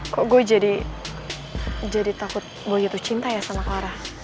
kok gue jadi jadi takut boy itu cinta ya sama clara